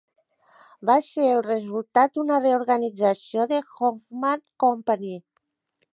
Va ser el resultat d'una reorganització de Hoffman Company.